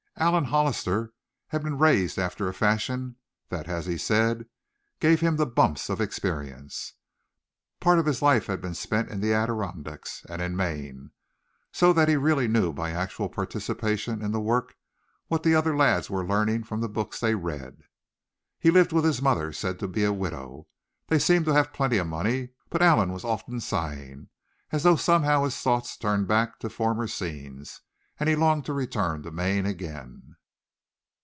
Allan Hollister had been raised after a fashion that as he said "gave him the bumps of experience." Part of his life had been spent in the Adirondacks and in Maine; so that he really knew by actual participation in the work what the other lads were learning from the books they read. He lived with his mother, said to be a widow. They seemed to have plenty of money; but Allan was often sighing, as though somehow his thoughts turned back to former scenes, and he longed to return to Maine again.